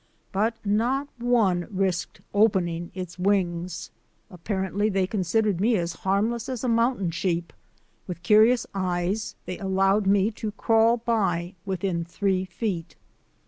But not one risked opening its wings. Ap parently they considered me as harmless as a moun tain sheep. With curious eyes, they allowed me to crawl by within three feet.